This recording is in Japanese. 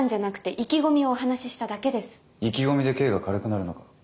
意気込みで刑が軽くなるのか？